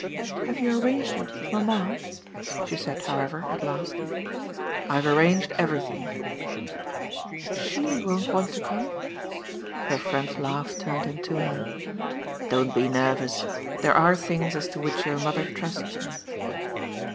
"Have you arranged it with mamma?" she said, however, at last. "I've arranged everything." "SHE won't want to come?" Her friend's laugh turned him to her. "Don't be nervous. There are things as to which your mother trusts me."